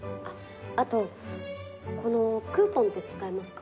あとこのクーポンって使えますか？